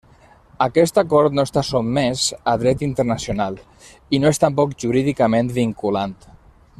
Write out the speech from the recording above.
Aquest acord no està sotmès a dret internacional i no és tampoc jurídicament vinculant.